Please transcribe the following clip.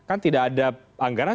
kan tidak ada anggaran